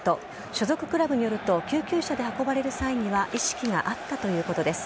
所属クラブによると救急車で運ばれる際には意識があったということです。